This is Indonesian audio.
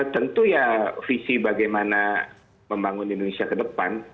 tentu ya visi bagaimana membangun indonesia ke depan